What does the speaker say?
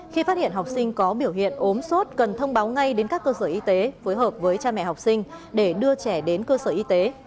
khi phát hiện học sinh có biểu hiện ốm sốt cần thông báo ngay đến các cơ sở y tế phối hợp với cha mẹ học sinh để đưa trẻ đến cơ sở y tế